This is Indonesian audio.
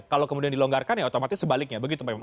kalau kemudian dilonggarkan ya otomatis sebaliknya begitu pak imam